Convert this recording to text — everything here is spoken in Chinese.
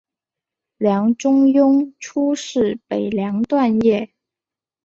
梁中庸初仕北凉段业。